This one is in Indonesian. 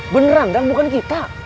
beneran dang bukan kita